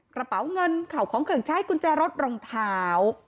กระเป๋าเงินเข่าของเครื่องใช้กุญแจรถรองเท้า